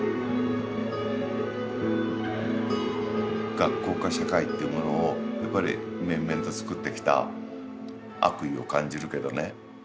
学校化社会っていうものをやっぱり綿々と作ってきた悪意を感じるけどね。